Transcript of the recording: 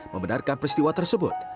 membenarkan peristiwa tersebut